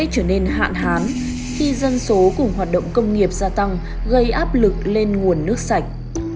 trở nên hạn hán khi dân số cùng hoạt động công nghiệp gia tăng gây áp lực lên nguồn nước sạch